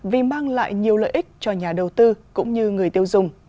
vì mang lại nhiều lợi ích cho nhà đầu tư cũng như người tiêu dùng